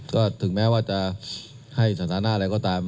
ก็ถึงแม้ว่าจะให้สถานะอะไรก็ตาม